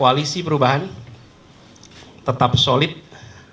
dan kami berharap bahwa masa depan bangsa kita setahap demi setahap terus makin baik